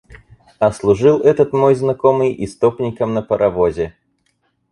А служил этот мой знакомый истопником на паровозе.